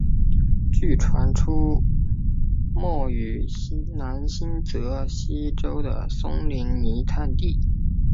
据传出没于南新泽西州的松林泥炭地。